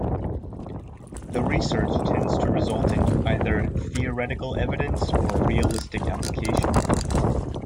The research tends to result in either theoretical evidence or a realistic application.